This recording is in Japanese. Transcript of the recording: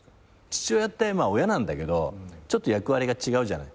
父親って親なんだけどちょっと役割が違うじゃない。